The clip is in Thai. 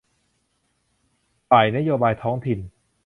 ฝ่ายนโยบายท้องถิ่น